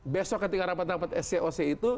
besok ketika rapat rapat sc oc itu